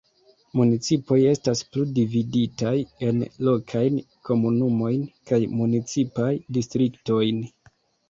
Municipoj estas plu dividitaj en lokajn komunumojn kaj municipaj distriktojn.